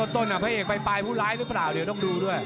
พระเอกไปปลายผู้ร้ายหรือเปล่าเดี๋ยวต้องดูด้วย